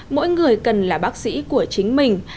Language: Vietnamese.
mỗi người cần là bác sĩ của chính mình